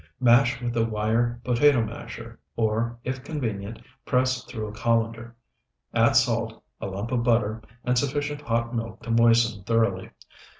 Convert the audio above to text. Mash with a wire potato masher, or, if convenient, press through a colander; add salt, a lump of butter, and sufficient hot milk to moisten thoroughly.